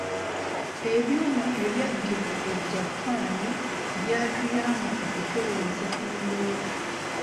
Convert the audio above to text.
Ebyuma ebyaggibwa e Japan byatuyamba okutereeza embeera.